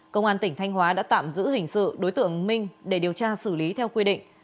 công an tỉnh thanh hóa đã tạm giữ hình sự đối tượng minh để điều tra xử lý theo quy định